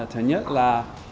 thứ nhất là